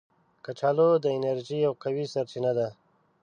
کچالو د انرژي یو قوي سرچینه ده